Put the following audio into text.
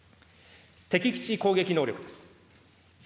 敵基地攻撃能力です。